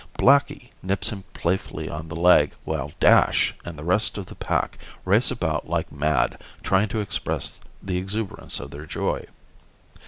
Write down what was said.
Blackie nips him playfully on the leg while Dash and the rest of the pack race about like mad, trying to express the exuberance of their joy.